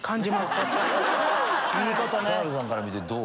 田辺さんから見てどう？